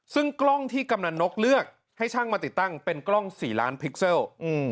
ซึ่งกล้องที่กำนันนกเลือกให้ช่างมาติดตั้งเป็นกล้อง๔ล้านพิกเซล